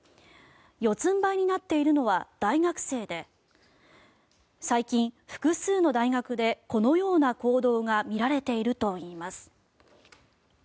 四つんばいになっているのは大学生で最近、複数の大学でこのような行動が見られているといいます。